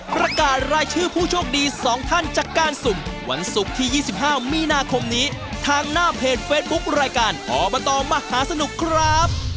ประกาศรายชื่อผู้โชคดี๒ท่านจากการสุ่มวันศุกร์ที่๒๕มีนาคมนี้ทางหน้าเพจเฟซบุ๊ครายการอบตมหาสนุกครับ